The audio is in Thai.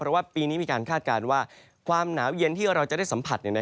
เพราะว่าปีนี้มีการคาดการณ์ว่าความหนาวเย็นที่เราจะได้สัมผัส